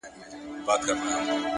د غنم قیمت آدمه، ورکوم زه تر عدمه